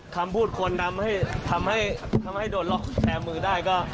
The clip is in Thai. คำพูดคนทำให้โดนล็อคแชร์มือได้